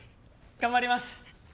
頑張ります！